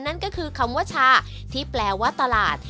นั่นก็คือคำว่าชาที่แปลว่าตลาด